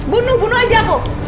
bunuh bunuh aja aku